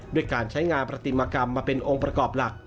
ด้วยการใช้งานประติมากรรมมาเป็นองค์ประกอบหลัก